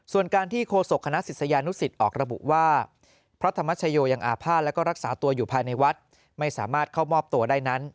ส่วนการที่โคศกคณะศิษยานุสิตออกระบุว่าพระธรรมชโยยังอาภาษณ์และรักษาตัวอยู่ภายในวัดไม่สามารถเข้ามอบตัวได้นั้น